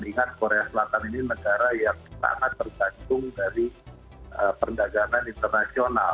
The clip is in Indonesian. ingat korea selatan ini negara yang sangat tergantung dari perdagangan internasional